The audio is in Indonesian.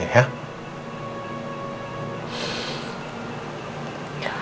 aku mau sekarang